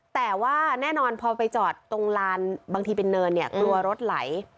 แต่ว่าแน่นอนพอไปจอดตรงลานบางทีเป็นเนินเนี่ยกลัวรถไหล